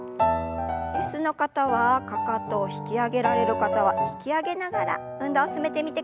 椅子の方はかかとを引き上げられる方は引き上げながら運動を進めてみてください。